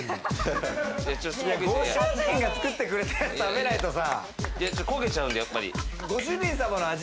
ご主人が作ってくれたやつ食べないとさ。